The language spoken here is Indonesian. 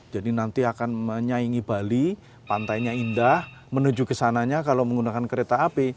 jadi nanti akan menyaingi bali pantainya indah menuju ke sananya kalau menggunakan kereta api